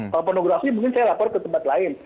kalau pornografi mungkin saya lapor ke tempat lain